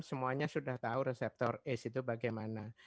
semuanya sudah tahu reseptor ace itu bagaimana